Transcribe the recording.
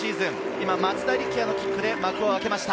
今、松田力也のキックオフで幕を開けました。